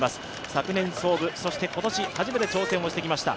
昨年創部、そして今年初めて挑戦をしてきました。